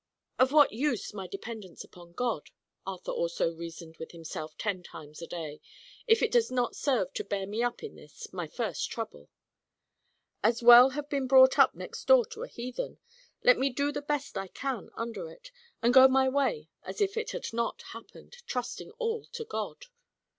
"Of what use my dependence upon God," Arthur also reasoned with himself ten times a day, "if it does not serve to bear me up in this, my first trouble? As well have been brought up next door to a heathen. Let me do the best I can under it, and go my way as if it had not happened, trusting all to God."